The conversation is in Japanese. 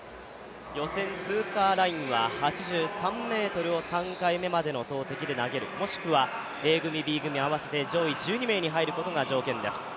予選通過ラインは８３ｍを３回目までの投てきで投げる、もしくはＡ組、Ｂ組合わせて上位１２人に入ることです。